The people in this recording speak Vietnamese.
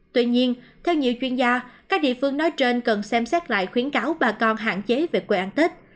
tuy nhiên theo nhiều chuyên gia các địa phương nói trên cần xem xét lại khuyến cáo bà con hạn chế về quê ăn tết